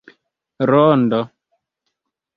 rondo